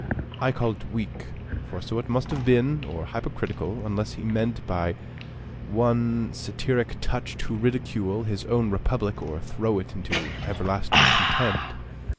I call it weak, for so it must have been, or hypocritical; unless he meant by one satiric touch to ridicule his own republic, or throw it into everlasting contempt.